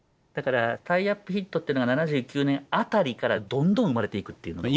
だからタイアップヒットってのが７９年辺りからどんどん生まれていくっていう。